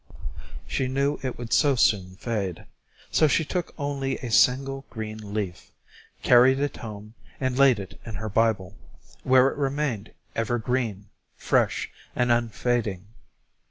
She knew it would so soon fade; so she took only a single green leaf, carried it home, and laid it in her Bible, where it remained ever green, fresh, and unfading.